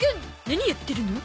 何やってるの？